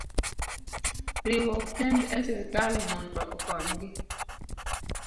riwo kend e sirkal mondo okonygi.